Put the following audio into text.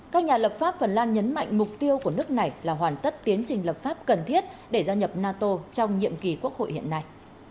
các nhà lập pháp phần lan nhấn mạnh mục tiêu của nước này là hoàn tất tiến trình lập pháp cần thiết để gia nhập nato trong nhiệm kỳ quốc hội hiện nay